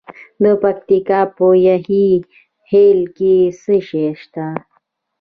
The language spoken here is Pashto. د پکتیکا په یحیی خیل کې څه شی شته؟